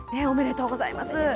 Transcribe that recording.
おめでとうございます。